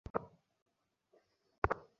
বেলেডাঙার বুধো গাড়োয়ানকে তোমরা দেখোচা কেউ?